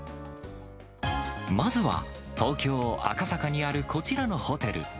まずは、東京・赤坂にあるこちらのホテル。